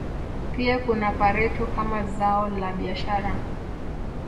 Pia kuna pareto kama zao la biashara